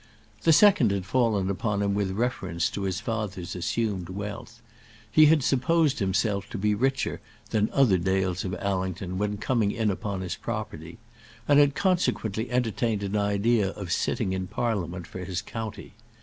The second had fallen upon him with reference to his father's assumed wealth. He had supposed himself to be richer than other Dales of Allington when coming in upon his property, and had consequently entertained an idea of sitting in Parliament for his county.